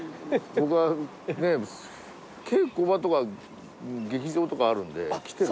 僕は稽古場とか劇場とかあるんで来てる。